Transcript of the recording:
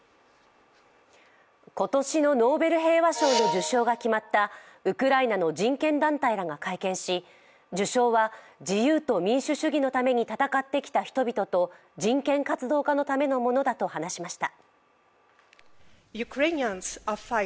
今年のノーベル平和賞の受賞が決まったウクライナの人権団体らが会見し受賞は自由と民主主義のために戦ってきた人々と人権活動家のためのものだと話しました。